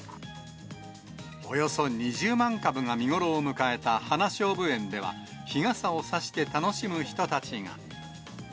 およそ２０万株が見頃を迎えた花しょうぶ園では、日傘を差して楽しむ人たちが。